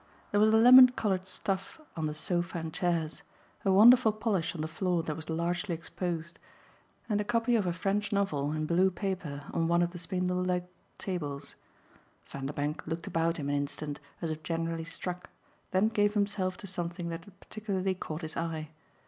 There was a lemon coloured stuff on the sofa and chairs, a wonderful polish on the floor that was largely exposed, and a copy of a French novel in blue paper on one of the spindle legged tables. Vanderbank looked about him an instant as if generally struck, then gave himself to something that had particularly caught his eye.